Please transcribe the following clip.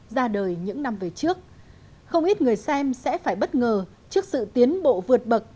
ra đời những năm về trước không ít người xem sẽ phải bất ngờ trước sự tiến bộ vượt bậc